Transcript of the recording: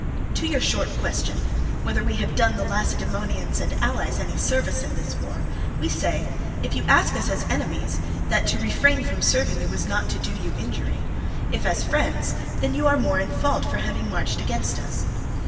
"To your short question, whether we have done the Lacedaemonians and allies any service in this war, we say, if you ask us as enemies, that to refrain from serving you was not to do you injury; if as friends, that you are more in fault for having marched against us.